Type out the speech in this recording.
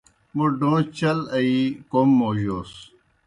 موْ ڈوݩچھیْ چل آیِی کوْم موجوس۔